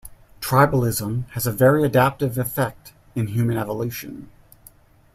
Tribalism has a very adaptive effect in human evolution.